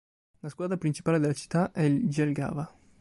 La squadra principale della città è il Jelgava.